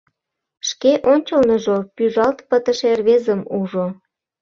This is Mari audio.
Шке ончылныжо пӱжалт пытыше рвезым ужо.